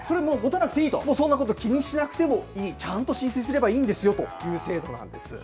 そんなこと気にしなくてもいい、ちゃんと申請すればいいんですよという制度なんです。